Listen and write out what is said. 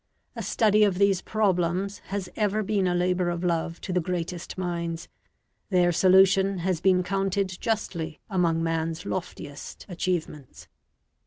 A study of these problems has ever been a labor of love to the greatest minds; their solution has been counted justly among man's loftiest achievements.